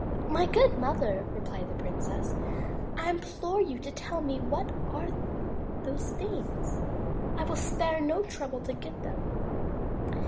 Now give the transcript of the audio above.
"My good mother,'* replied the princess, "I implore you to tell me what are those things. I will spare no trouble to get them.